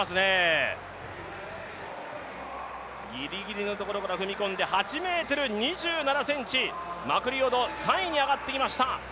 ギリギリのところから踏み込んで８ｍ２７ｃｍ、マクリオド、３位に上がってきました。